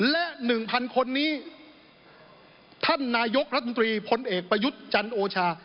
และ๑๐๐คนนี้ท่านนายกรัฐมนตรีพลเอกประยุทธ์จันโอชา